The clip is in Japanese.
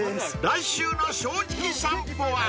［来週の『正直さんぽ』は］